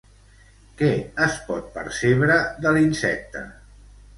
Què es pot percebre de l'insecte?